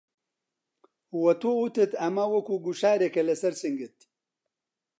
وە تۆ وتت ئەمە وەکوو گوشارێکه لەسەر سنگت